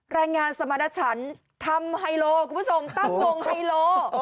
แรงงานสมรรถฉันทำไฮโลคุณผู้ชมตั้งวงไฮโล